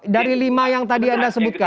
dari lima yang tadi anda sebutkan